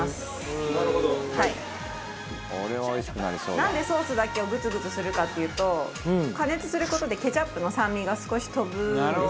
なんでソースだけをグツグツするかっていうと加熱する事でケチャップの酸味が少し飛ぶんですよね。